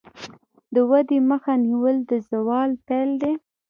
د ودې مخه نیول د زوال پیل دی.